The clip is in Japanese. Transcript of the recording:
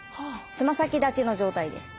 つま先立ちの状態です。